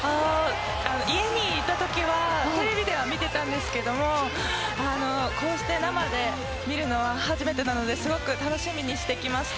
家にいた時はテレビでは見ていたんですがこうして生で見るのは初めてなのですごく楽しみにしてきました。